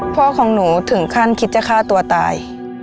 พ่อของหนูถึงขั้นคิดจะฆ่าตัวตาย